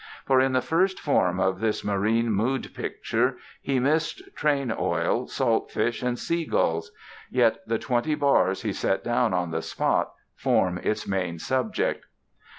For in the first form of this marine mood picture, he missed "train oil, salt fish and seagulls". Yet the twenty bars he set down on the spot form its main subject.